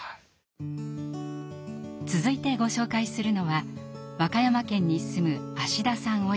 続いてご紹介するのは和歌山県に住む芦田さん